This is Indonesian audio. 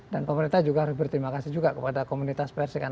dan pemerintah juga harus berterima kasih kepada komunitas presiden